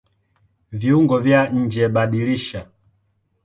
Viungo vya njeBadilisha